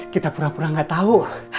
kita pura pura gak tahu